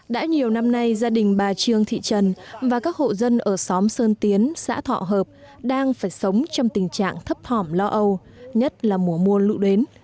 đã nhiều năm nay gia đình bà trương thị trần và các hộ dân ở xóm sơn tiến xã thọ hợp đang phải sống trong tình trạng thấp thỏm lo âu nhất là mùa mua lũ đến